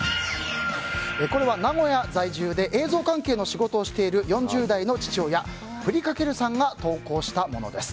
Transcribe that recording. これは名古屋在住で映像関係の仕事をしている４０代の父親ＦＲＥＥ×さんが投稿したものです。